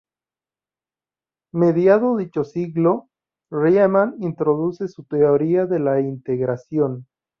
Mediado dicho siglo, Riemann introduce su teoría de la integración.